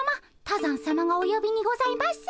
多山さまがおよびにございます。